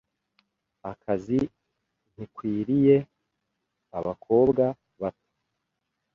Akazi ntikwiriye abakobwa bato.